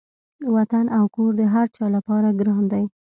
وطن او کور د هر چا لپاره ګران دی.